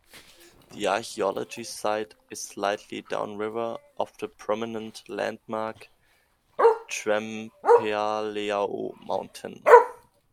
The archeology site is slightly downriver of the prominent landmark, Trempealeau Mountain.